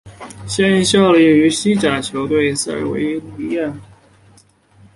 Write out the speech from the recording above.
现效力于西甲球队塞维利亚。